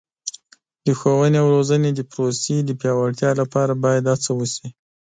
د ښوونې او روزنې د پروسې د پیاوړتیا لپاره باید هڅه وشي.